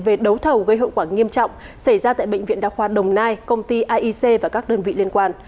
về đấu thầu gây hậu quả nghiêm trọng xảy ra tại bệnh viện đa khoa đồng nai công ty aic và các đơn vị liên quan